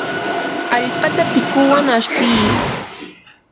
allpata pikuwan ashpii.